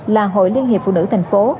là hội liên hiệp phụ nữ thành phố